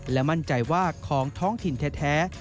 และมั่นใจว่าของท้องถิ่นแท้